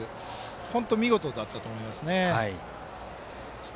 本当に見事だったと思います。